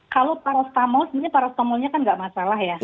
kalau paracetamol sebenarnya paracetamolnya kan enggak masalah ya